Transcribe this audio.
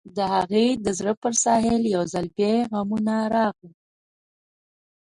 د هغې د زړه پر ساحل يو ځل بيا غمونه راغلل.